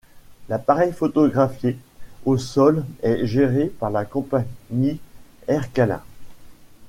L'appareil photographié au sol est géré par la compagnie Aircalin.